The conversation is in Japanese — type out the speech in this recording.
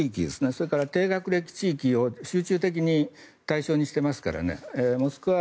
それから低学歴地域を集中的に対象にしていますからね。